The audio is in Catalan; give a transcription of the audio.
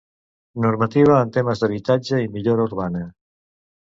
Normativa en temes d'habitatge i millora urbana.